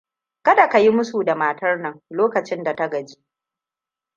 Kada ka yi musu da matar nan lokacin da ta gaji.